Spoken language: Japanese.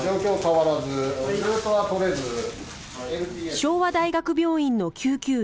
昭和大学病院の救急医